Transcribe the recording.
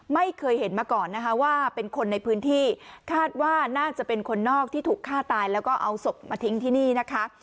ไม่เคยเห็นมาก่อนนะคะว่าเป็นคนในพื้นที่คาดว่าน่าจะเป็นคนนอกที่ถูกฆ่าตายแล้วก็เอาศพมาทิ้งที่นี่นะคะ